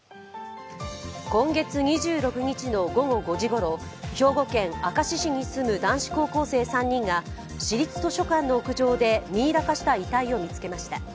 今月２６日の午後５時ごろ兵庫県明石市に住む男子高校生３人が市立図書館の屋上でミイラ化した遺体を見つけました。